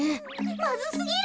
まずすぎる。